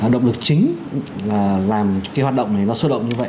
động lực chính làm hoạt động này xuất động như vậy